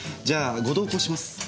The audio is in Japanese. じゃあご同行します。